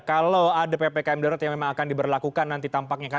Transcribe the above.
kalau ada ppkm darurat yang memang akan diberlakukan nanti tampaknya